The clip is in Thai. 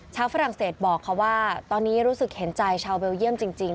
ฝรั่งเศสบอกค่ะว่าตอนนี้รู้สึกเห็นใจชาวเบลเยี่ยมจริง